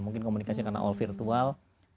mungkin komunikasi karena all virtual